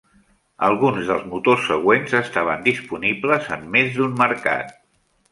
Alguns dels motors següents estaven disponibles en més d'un mercat.